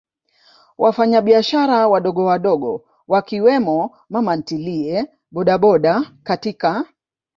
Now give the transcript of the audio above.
wafanyabiashara wadogowadogo Wakiwemo mamantilie bodaboda katika